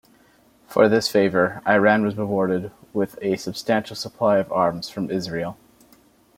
For this favor, Iran was rewarded with a substantial supply of arms from Israel.